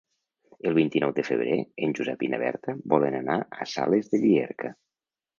El vint-i-nou de febrer en Josep i na Berta volen anar a Sales de Llierca.